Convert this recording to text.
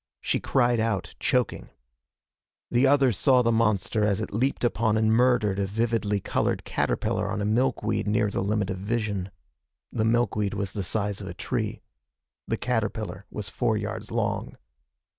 She cried out, choking. The others saw the monster as it leaped upon and murdered a vividly colored caterpillar on a milkweed near the limit of vision. The milkweed was the size of a tree. The caterpillar was four yards long.